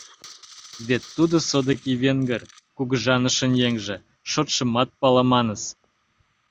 Вет тудо содыки Венгр кугыжанышын еҥже, шотшымат палыманыс.